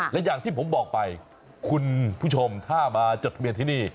และอย่างที่ผมบอกไปคุณผู้ชมถ้ามาจดทะเบียนที่นี่